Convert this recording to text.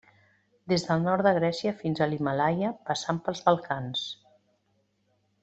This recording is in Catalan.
Des del nord de Grècia fins a l'Himàlaia, passant pels Balcans.